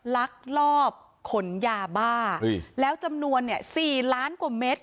ลักลอบขนยาบ้าแล้วจำนวนเนี่ย๔ล้านกว่าเม็ด